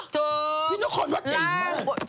ที่นครวัดเจ๋งมาก